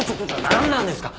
なんなんですか！？